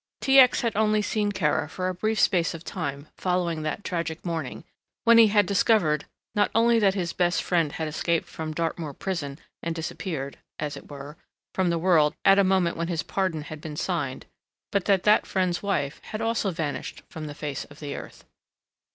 T. X. had only seen Kara for a brief space of time following that tragic morning, when he had discovered not only that his best friend had escaped from Dartmoor prison and disappeared, as it were, from the world at a moment when his pardon had been signed, but that that friend's wife had also vanished from the face of the earth.